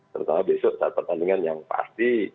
terutama besok saat pertandingan yang pasti